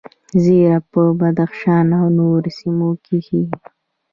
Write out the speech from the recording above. زیره په بدخشان او نورو سیمو کې کیږي